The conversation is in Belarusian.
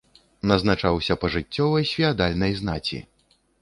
Назначаўся пажыццёва з феадальнай знаці.